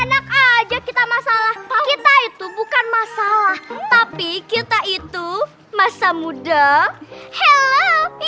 enak aja kita masalah kita itu bukan masalah tapi kita itu masa muda helm